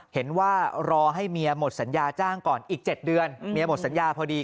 เห็นว่ารอให้เมียหมดสัญญาจ้างก่อนอีก๗เดือนเมียหมดสัญญาพอดี